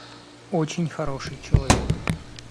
Очень хороший человек.